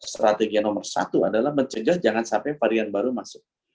strategi yang nomor satu adalah mencegah jangan sampai varian baru masuk